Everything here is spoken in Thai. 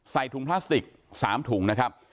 ถุงพลาสติก๓ถุงนะครับ